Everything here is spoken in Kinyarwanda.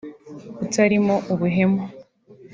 utarimo ubuhemu